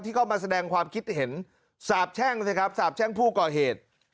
ที่เข้ามาสแดงความคิดเห็นสาบแช่งผู้ก่อเหตุ